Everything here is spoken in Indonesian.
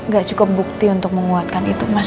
gak cukup bukti untuk menguatkan itu mas